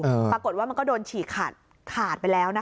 ปรากฏว่ามันก็โดนฉีกขาดขาดไปแล้วนะคะ